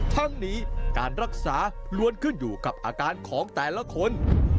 ทั้งนี้การรักษาล้วนขึ้นอยู่กับอาการของแต่ละคน